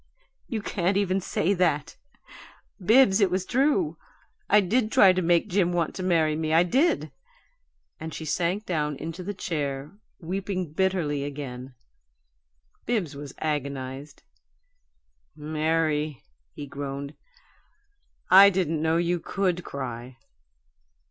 "You can't even say that! Bibbs, it was true: I did try to make Jim want to marry me. I did!" And she sank down into the chair, weeping bitterly again. Bibbs was agonized. "Mary," he groaned, "I didn't know you COULD cry!"